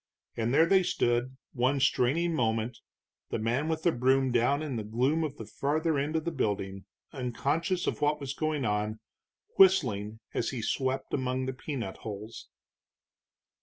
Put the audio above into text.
And there they stood one straining moment, the man with the broom down in the gloom of the farther end of the building, unconscious of what was going on, whistling as he swept among the peanut hulls.